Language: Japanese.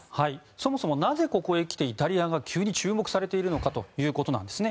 そもそもなぜここにきてイタリアが急に注目されているのかということなんですね。